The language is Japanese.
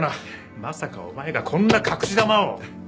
まさかお前がこんな隠し球を。